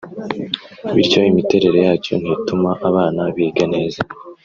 bityo imiterere yacyo ntitume abana biga neza